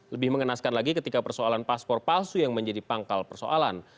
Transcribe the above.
lebih mengenaskan lagi ketika persoalan paspor palsu yang menjadi pangkal persoalan